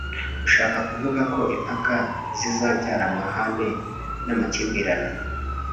ushaka kuvuga ko impaka zizabyara amahane n'amakimbirane